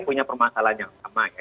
punya permasalahan yang sama ya